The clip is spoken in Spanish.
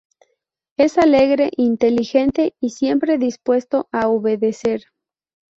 Es alegre, inteligente y siempre dispuesto a obedecer.